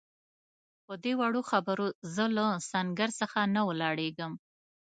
پدې وړو خبرو زه له سنګر څخه نه ولاړېږم.